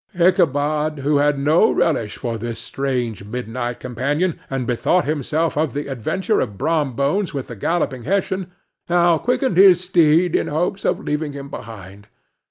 Ichabod, who had no relish for this strange midnight companion, and bethought himself of the adventure of Brom Bones with the Galloping Hessian, now quickened his steed in hopes of leaving him behind.